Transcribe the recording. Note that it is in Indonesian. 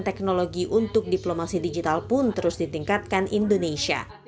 teknologi untuk diplomasi digital pun terus ditingkatkan indonesia